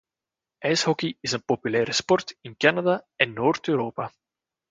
Ijshockey is een populaire sport in Canada en Noord-Europa.